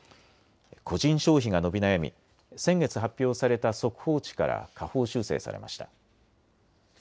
個人消費が伸び悩み先月発表された速報値から下方修正されました。